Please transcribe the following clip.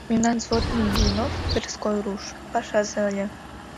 Мемнан взводный Блинов, тверской руш, пашазе ыле.